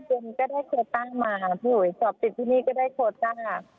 ลูกแม่เดินก็ได้โคตรตั้งมาพี่หนุ่ยสอบติดที่นี่ก็ได้โคตรตั้ง